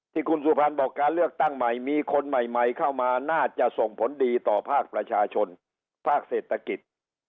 ที่คุณสุพรรณบอกการเลือกตั้งใหม่มีคนใหม่เข้ามาน่าจะส่งผลดีต่อภาคประชาชนภาคเศรษฐกิจ